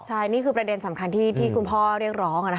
ใช่นี่คือประเด็นสำคัญที่คุณพ่อเรียกร้อง